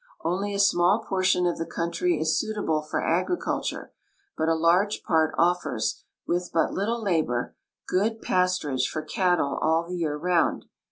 Only a small portion of the country is suitable for agriculture, but a large part offers, wdth but little labor, good pasturage for cattle all the year round.